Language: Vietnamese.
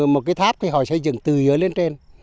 một cái tháp thì họ xây dựng từ dưới lên trên